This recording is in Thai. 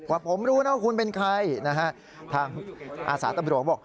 ว่าผมรู้นะว่าคุณเป็นใครนะฮะทางอาสาตำรวจบอก